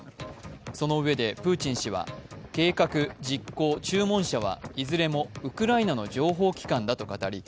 そのうえでプーチン氏は計画、実行、注文者はいずれもウクライナの情報機関だと語り